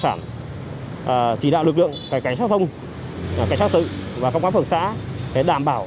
thông chỉ đạo lực lượng phải cảnh sát thông cảnh sát tự và công an phường xã để đảm bảo